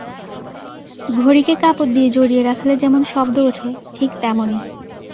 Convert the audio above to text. ঘড়িকে কাপড় দিয়ে জড়িয়ে রাখলে যেমন শব্দ ওঠে, ঠিক তেমনি।